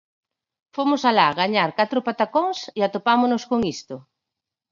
Fomos alá gañar catro patacóns e atopámonos con isto.